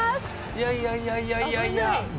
いやいやいやいやいやいや。